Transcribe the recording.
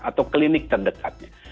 atau klinik terdekatnya